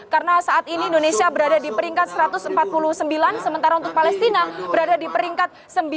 karena saat ini indonesia berada di peringkat satu ratus empat puluh sembilan sementara untuk palestina berada di peringkat sembilan puluh tiga